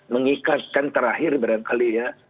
mengikatkan terakhir berapa kali ya